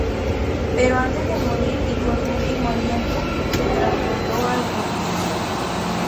Pero antes de morir y con su último aliento, se transportó al Vórtice.